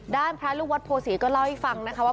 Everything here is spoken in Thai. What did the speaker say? พระลูกวัดโพศีก็เล่าให้ฟังนะคะว่า